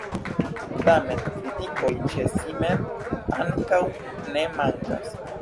Tamen kritikoj ĉe si mem ankaŭ ne mankas.